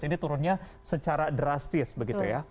ini turunnya secara drastis begitu ya